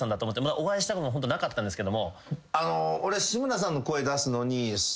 お会いしたことなかったんですけども。